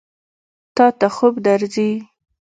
تا ته خوب درځي؟